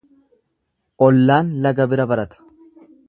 Ollaan laga bira barata.